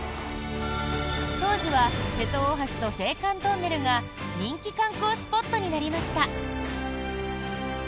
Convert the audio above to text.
当時は瀬戸大橋と青函トンネルが人気観光スポットになりました。